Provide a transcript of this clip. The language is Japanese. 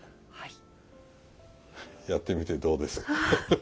やってみてどうですか？